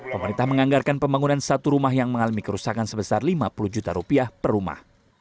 pemerintah menganggarkan pembangunan satu rumah yang mengalami kerusakan sebesar lima puluh juta rupiah per rumah